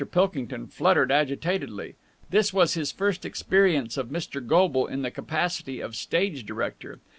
Pilkington fluttered agitatedly. This was his first experience of Mr. Goble in the capacity of stage director.